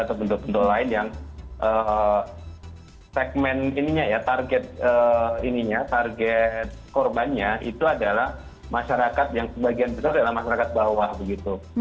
atau bentuk bentuk lain yang segmen ininya ya target korbannya itu adalah masyarakat yang sebagian besar adalah masyarakat bawah begitu